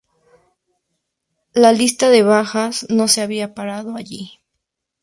La lista de bajas no se había parado ahí.